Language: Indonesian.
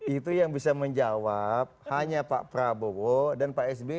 itu yang bisa menjawab hanya pak prabowo dan pak sby